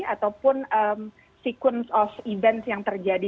ataupun sequence of events yang terjadi